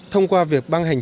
thông qua việc băng hành